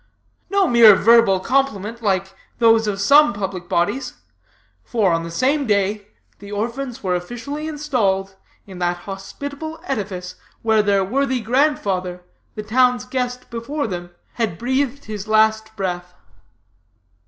No mere verbal compliment, like those of some public bodies; for, on the same day, the orphans were officially installed in that hospitable edifice where their worthy grandfather, the town's guest before them, had breathed his last breath.